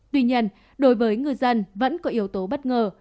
tuy nhiên đối với ngư dân vẫn có yếu tố bất ngờ